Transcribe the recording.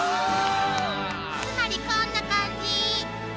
つまりこんな感じ。